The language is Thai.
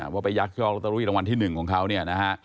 ว่าไปยักยอกลอตเตอรี่รางวัลที่๑ของเขาเนี่ยนะฮะ